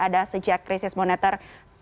ada sejak krisis monitor